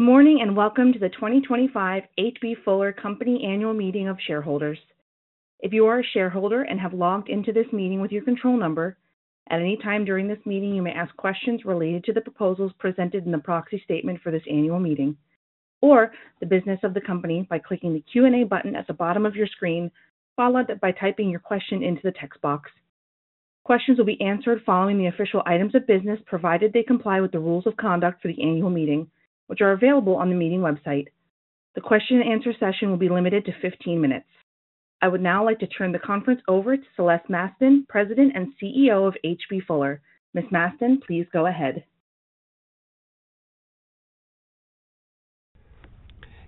Good morning and welcome to the 2025 H.B. Fuller Company annual meeting of shareholders. If you are a shareholder and have logged into this meeting with your control number, at any time during this meeting you may ask questions related to the proposals presented in the proxy statement for this annual meeting or the business of the company by clicking the Q&A button at the bottom of your screen, followed by typing your question into the text box. Questions will be answered following the official items of business, provided they comply with the rules of conduct for the annual meeting, which are available on the meeting website. The question and answer session will be limited to 15 minutes. I would now like to turn the conference over to Celeste Mastin, President and CEO of H.B. Fuller. Ms. Mastin, please go ahead.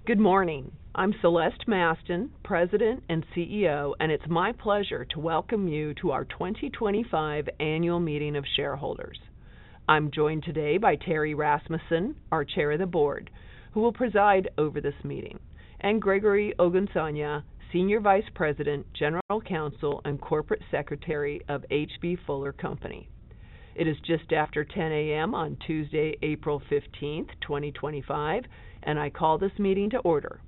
Good morning. I'm Celeste Mastin, President and CEO, and it's my pleasure to welcome you to our 2025 annual meeting of shareholders. I'm joined today by Terry Rasmussen, our Chair of the Board, who will preside over this meeting, and Gregory Ogunsanya, Senior Vice President, General Counsel, and Corporate Secretary of H.B. Fuller Company. It is just after 10:00 A.M. on Tuesday, April 15, 2025, and I call this meeting to order.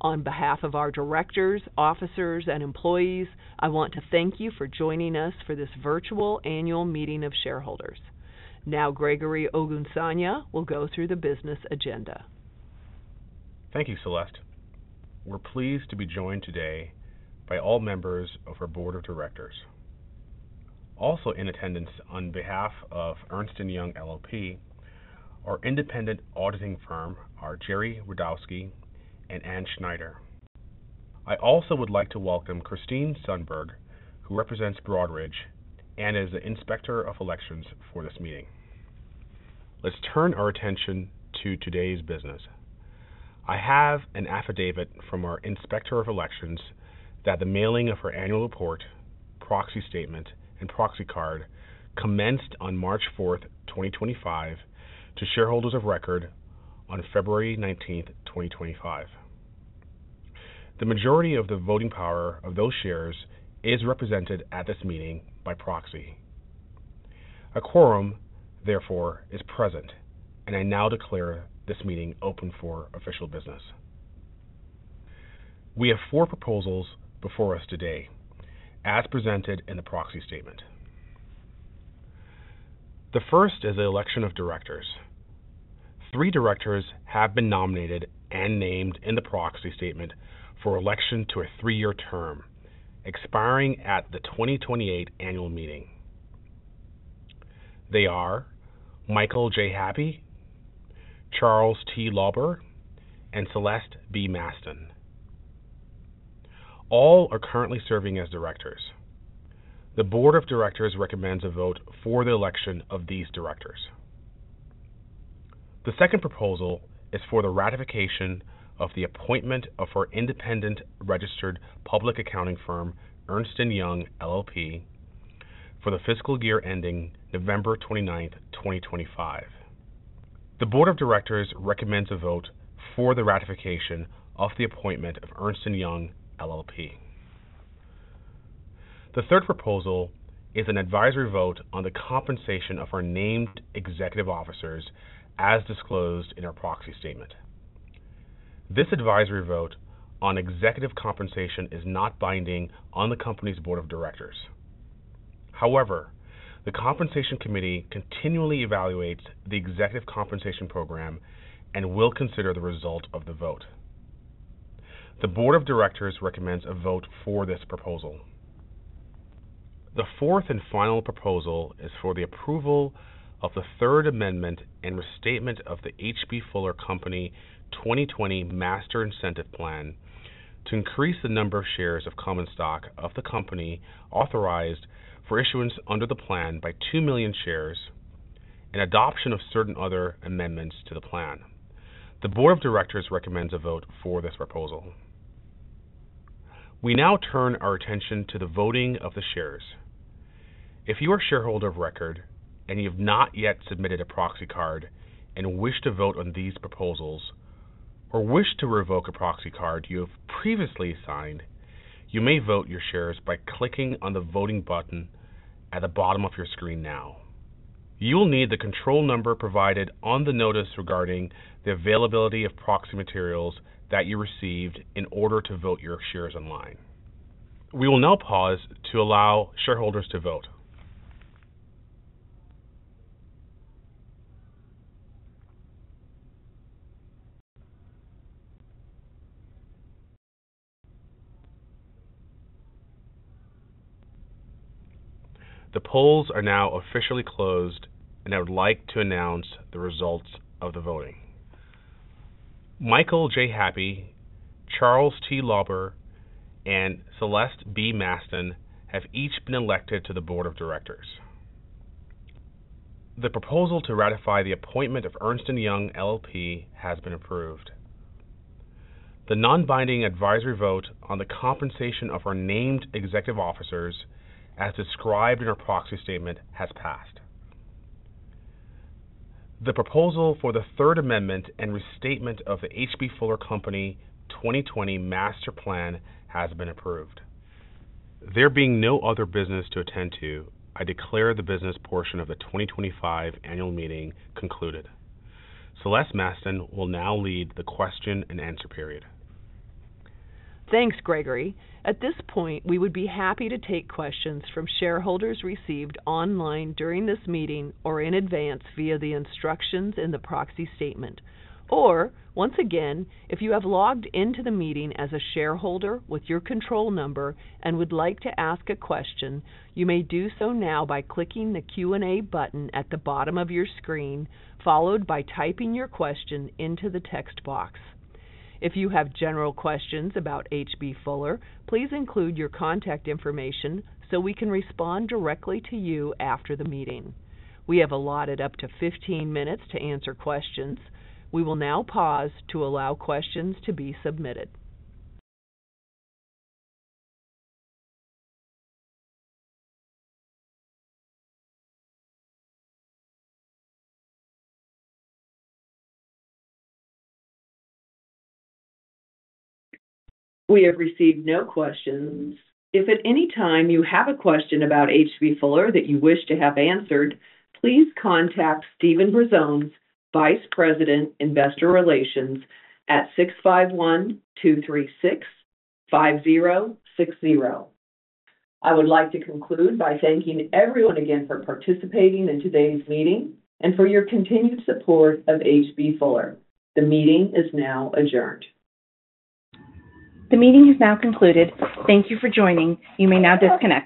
On behalf of our directors, officers, and employees, I want to thank you for joining us for this virtual annual meeting of shareholders. Now, Gregory Ogunsanya will go through the business agenda. Thank you, Celeste. We're pleased to be joined today by all members of our Board of Directors. Also in attendance on behalf of Ernst & Young LLP, our independent auditing firm, are Jerry Radouski and Ann Schneider. I also would like to welcome Christine Sundberg, who represents Broadridge and is the Inspector of Elections for this meeting. Let's turn our attention to today's business. I have an affidavit from our Inspector of Elections that the mailing of our annual report, proxy statement, and proxy card commenced on March 4, 2025, to shareholders of record on February 19, 2025. The majority of the voting power of those shares is represented at this meeting by proxy. A quorum, therefore, is present, and I now declare this meeting open for official business. We have four proposals before us today, as presented in the proxy statement. The first is the election of directors. Three directors have been nominated and named in the proxy statement for election to a three-year term expiring at the 2028 annual meeting. They are Michael J. Happe, Charles T. Lauber, and Celeste B. Mastin. All are currently serving as directors. The Board of Directors recommends a vote for the election of these directors. The second proposal is for the ratification of the appointment of our independent registered public accounting firm, Ernst & Young LLP, for the fiscal year ending November 29, 2025. The Board of Directors recommends a vote for the ratification of the appointment of Ernst & Young LLP. The third proposal is an advisory vote on the compensation of our named executive officers, as disclosed in our proxy statement. This advisory vote on executive compensation is not binding on the company's Board of Directors. However, the Compensation Committee continually evaluates the executive compensation program and will consider the result of the vote. The Board of Directors recommends a vote for this proposal. The fourth and final proposal is for the approval of the Third Amendment and restatement of the H.B. Fuller Company 2020 Master Incentive Plan to increase the number of shares of common stock of the company authorized for issuance under the plan by 2 million shares and adoption of certain other amendments to the plan. The Board of Directors recommends a vote for this proposal. We now turn our attention to the voting of the shares. If you are a shareholder of record and you have not yet submitted a proxy card and wish to vote on these proposals or wish to revoke a proxy card you have previously signed, you may vote your shares by clicking on the voting button at the bottom of your screen now. You will need the control number provided on the notice regarding the availability of proxy materials that you received in order to vote your shares online. We will now pause to allow shareholders to vote. The polls are now officially closed, and I would like to announce the results of the voting. Michael J. Happy, Charles T. Lauber, and Celeste B. Mastin have each been elected to the Board of Directors. The proposal to ratify the appointment of Ernst & Young LLP has been approved. The non-binding advisory vote on the compensation of our named executive officers, as described in our proxy statement, has passed. The proposal for the Third Amendment and restatement of the H.B. Fuller Company 2020 Master Incentive Plan has been approved. There being no other business to attend to, I declare the business portion of the 2025 annual meeting concluded. Celeste Mastin will now lead the question and answer period. Thanks, Gregory. At this point, we would be happy to take questions from shareholders received online during this meeting or in advance via the instructions in the proxy statement. If you have logged into the meeting as a shareholder with your control number and would like to ask a question, you may do so now by clicking the Q&A button at the bottom of your screen, followed by typing your question into the text box. If you have general questions about H.B. Fuller, please include your contact information so we can respond directly to you after the meeting. We have allotted up to 15 minutes to answer questions. We will now pause to allow questions to be submitted. We have received no questions. If at any time you have a question about H.B. Fuller that you wish to have answered, please contact Steven Brazones, Vice President, Investor Relations, at 651-236-5060. I would like to conclude by thanking everyone again for participating in today's meeting and for your continued support of H.B. Fuller. The meeting is now adjourned. The meeting is now concluded. Thank you for joining. You may now disconnect.